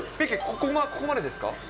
ここが、ここまでですか？